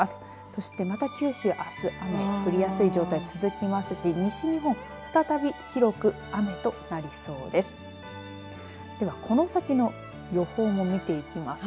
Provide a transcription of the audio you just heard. そしてまた九州あす雨降りやすい状態続きますし西日本再び広く雨となりそうです。